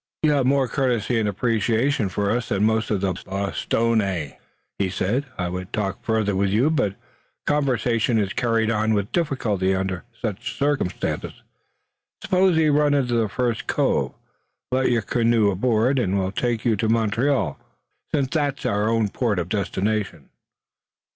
"You have more courtesy and appreciation for us than most of the Bostonnais," he said. "I would talk further with you, but conversation is carried on with difficulty under such circumstances. Suppose we run into the first cove, lift your canoe aboard, and we'll take you to Montreal, since that's our own port of destination."